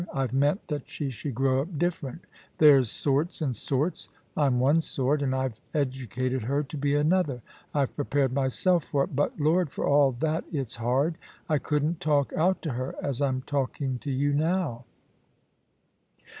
I've meant that she should grow up different There's sorts and sorts. I'm one sort, and I've educated her to be another ; I've prepared myself for it — but, Lord ! for all that, it's hard. I couldn't talk out to her as I'm talking to you now.'